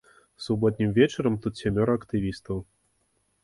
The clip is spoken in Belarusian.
Суботнім вечарам тут сямёра актывістаў.